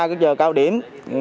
cái giờ cao điểm